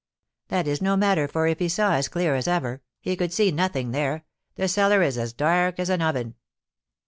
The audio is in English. "That is no matter, for, if he saw as clear as ever, he could see nothing there; the cellar is as dark as an oven."